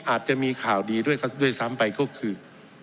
อาจจะมีข่าวดีด้วยซ้ำไปก็คือ